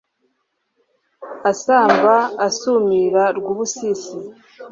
Asamba asumira Rwubusisi